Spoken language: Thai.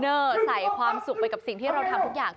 ใส่ความสุขไปกับสิ่งที่เราทำทุกอย่าง